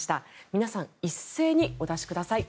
皆さん、一斉にお出しください。